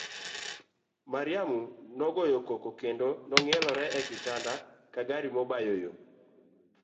Mariamu nogoyo koko kendo nong'ielore e kitanda ka gari mobayo yoo.